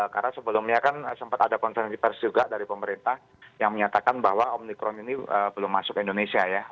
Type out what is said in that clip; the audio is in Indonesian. karena sebelumnya kan sempat ada konsentrasi juga dari pemerintah yang menyatakan bahwa omikron ini belum masuk ke indonesia ya